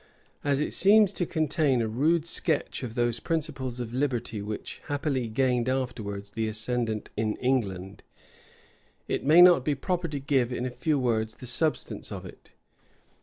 As it seems to contain a rude sketch of those principles of liberty which happily gained afterwards the ascendant in England, it may not be improper to give, in a few words, the substance of it.